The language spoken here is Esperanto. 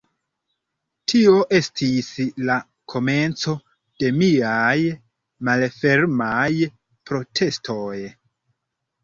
Tio estis la komenco de miaj malfermaj protestoj.